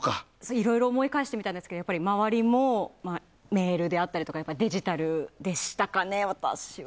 いろいろ思い返してみたんですけど周りもメールだったりデジタルでしたかね、私は。